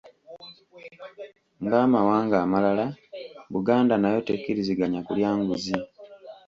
Ng’amawanga amalala, Buganda nayo tekkiriziganya kulya nguzi.